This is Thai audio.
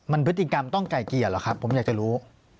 มันพฤติกรรมต้องไก่เกลี่ยหรอครับผมอยากจะรู้